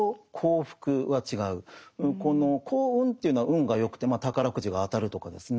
この幸運というのは運がよくてまあ宝くじが当たるとかですね。